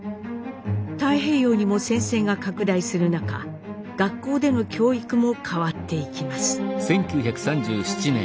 太平洋にも戦線が拡大する中学校での教育も変わっていきます。